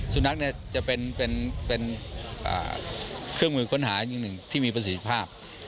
สุนัขเนี่ยจะเป็นเครื่องมือค้นหาอย่างหนึ่งที่มีประสิทธิภาพ